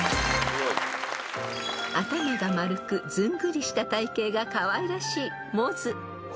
［頭が丸くずんぐりした体形がかわいらしい］